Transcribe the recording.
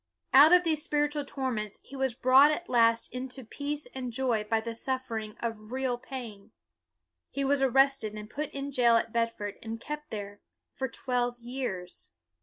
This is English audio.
Out of these spiritual torments he was brought at last into peace and joy by the suffering of real pain. He was arrested and put in jail at Bedford, and kept there for twelve years.